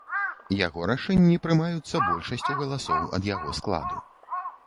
Яго рашэнні прымаюцца большасцю галасоў ад яго складу.